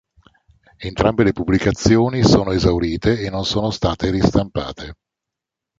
Entrambe le pubblicazioni sono esaurite e non sono state ristampate.